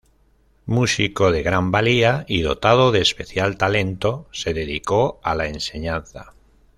Músico de gran valía y dotado de especial talento, se dedicó a la enseñanza.